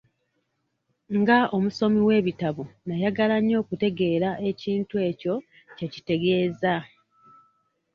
Nga omusomi w'ebitabo nnayagala nnyo okutegeera ekintu ekyo kye kitegeeza.